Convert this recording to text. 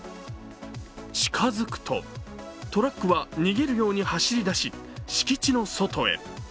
近づくと、トラックは逃げるように走り出し、敷地の外へ。